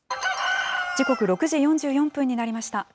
時刻６時４４分になりました。